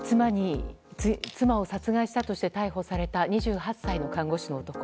妻を殺害したとして逮捕された２８歳の看護師の男。